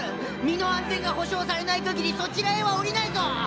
身の安全が保証されないかぎりそちらへは降りないぞ！